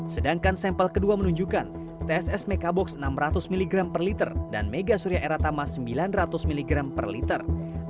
sedangkan sampel kedua menunjukkan tss mekabox enam ratus mg per liter dan mega surya eratama sembilan ratus mg per liter